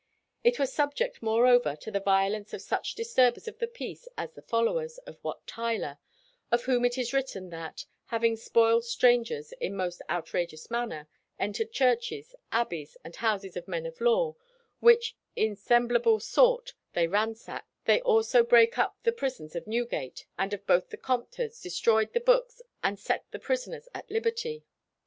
It was subject, moreover, to the violence of such disturbers of the peace as the followers of Wat Tyler, of whom it is written that, having spoiled strangers "in most outrageous manner, entered churches, abbeys, and houses of men of law, which in semblable sort they ransacked, they also brake up the prisons of Newgate and of both the Compters, destroyed the books, and set the prisoners at liberty."